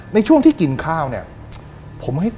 ในช่วงที่กินข้าวเนี่ย